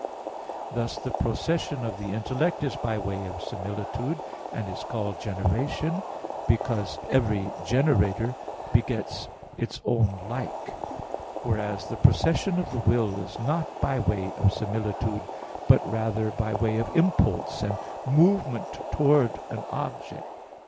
Thus the procession of the intellect is by way of similitude, and is called generation, because every generator begets its own like; whereas the procession of the will is not by way of similitude, but rather by way of impulse and movement towards an object.